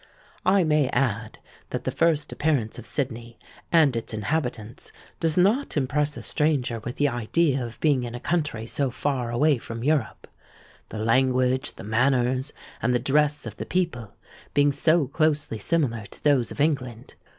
I may add, that the first appearance of Sydney and its inhabitants does not impress a stranger with the idea of being in a country so far away from Europe; the language, the manners, and the dress of the people being so closely similar to those of England.